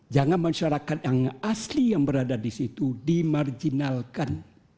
jangan masyarakat yang asli yang berada di situ dimarjinalkan